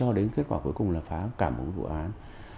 để lần ra đầu mối cho đến kết quả cuối cùng là phá cả một vụ án